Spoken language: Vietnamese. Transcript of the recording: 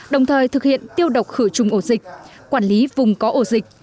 đồng thời thực hiện tiêu độc khử trùng ổ dịch quản lý vùng có ổ dịch